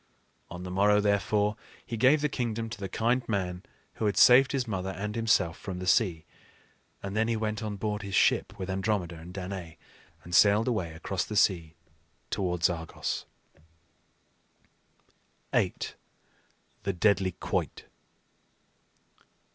On the morrow therefore, he gave the kingdom to the kind man who had saved his mother and himself from the sea; and then he went on board his ship, with Andromeda and Danaë, and sailed away across the sea towards Argos. VIII. THE DEADLY QUOIT.